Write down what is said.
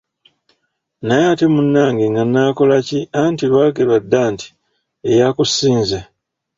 Naye ate munnange ng’anaakola ki anti lwagerwa dda nti, eyakusinze.